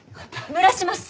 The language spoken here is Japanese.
蒸らします。